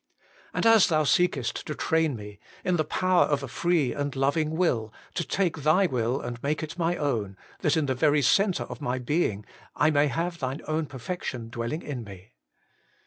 And Thou seekest to train me, in the power of a free and loving will, to take Thy will and make it my own, that in the very centre of my being I may have Thine own perfection dwelling in me.